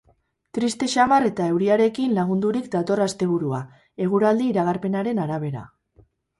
Triste samar eta euriarekin lagundurik dator asteburua, eguraldi iragarpenaren arabera.